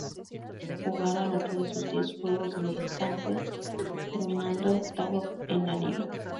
Jugaron ocho de sus diez juegos de visitante, terminando octavo en la liga.